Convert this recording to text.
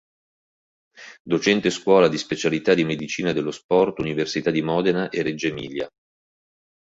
Docente Scuola di Specialità di Medicina dello sport Università di Modena e Reggio Emilia.